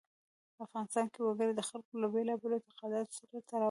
افغانستان کې وګړي د خلکو له بېلابېلو اعتقاداتو سره تړاو لري.